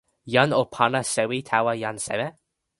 jan o pana sewi tawa jan seme?